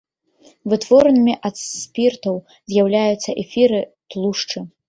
Вытворнымі ад спіртоў з'яўляюцца эфіры, тлушчы.